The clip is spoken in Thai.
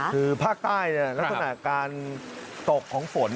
คือภาคใต้ลักษณะการตกของฝน